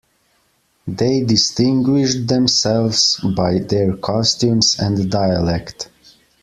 They distinguished themselves by their costumes and dialect.